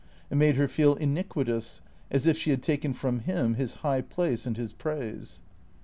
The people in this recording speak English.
It made her feel iniquitous, as if she had taken from him his high place and his praise.